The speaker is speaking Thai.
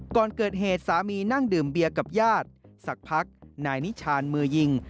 ก่อนเกิดเหตุสามีนั่งดื่มเบียร์กับญาติสักพักนายนิชานมือยิง